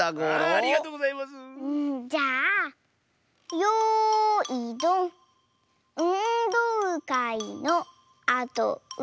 うんじゃあ「よいどんうんどうかいのあとうどん」。